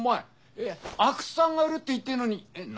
いや阿久津さんが売るって言ってるのにな